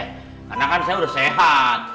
karena kan saya sudah sehat